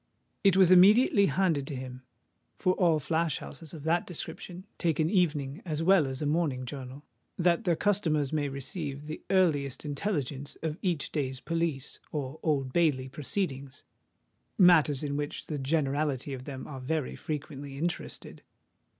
It was immediately handed to him; for all flash houses of that description take an evening as well as a morning journal, that their customers may receive the earliest intelligence of each day's Police or Old Bailey proceedings—matters in which the generality of them are very frequently interested.